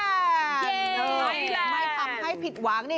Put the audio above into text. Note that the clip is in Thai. ไม่ทำให้ผิดหวังนี่